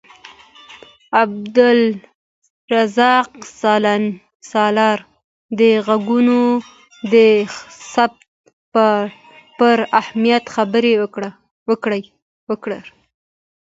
عبدالرزاق سالار د غږونو د ثبت پر اهمیت خبرې وکړې.